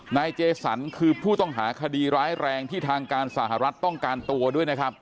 นายเจสันคือผู้ต้องหาคดีร้ายแรงที่ทางการสหรัฐต้องการตัวด้วยนะครับ